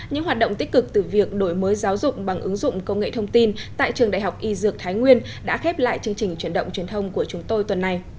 những hoạt động tích cực từ việc đổi mới giáo dục bằng ứng dụng công nghệ thông tin tại trường đại học y dược thái nguyên đã khép lại chương trình chuyển động truyền thông của chúng tôi tuần này